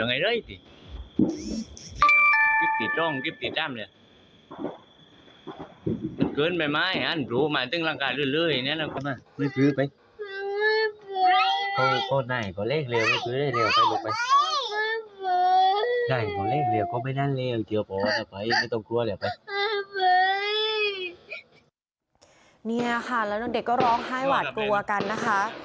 เนี่ยค่ะแล้วเด็กก็ร้องไห้หวาดกลัวกันนะคะ